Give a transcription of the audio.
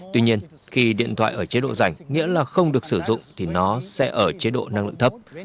tuy nhiên khi điện thoại ở chế độ rảnh nghĩa là không được sử dụng thì nó sẽ ở chế độ năng lượng thấp